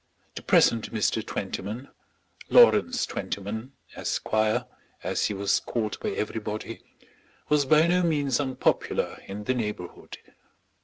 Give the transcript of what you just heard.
The present Mr. Twentyman, Lawrence Twentyman, Esquire, as he was called by everybody, was by no means unpopular in the neighbourhood.